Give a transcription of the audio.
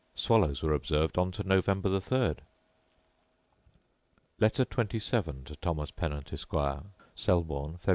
Swallows were observed on to November the third. Letter XXVII To Thomas Pennant, Esquire Selborne, Feb.